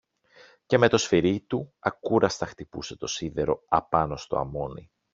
Και με το σφυρί του, ακούραστα χτυπούσε το σίδερο απάνω στο αμόνι.